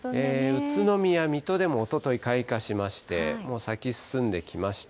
宇都宮、水戸でもおととい開花しまして、もう咲き進んできました。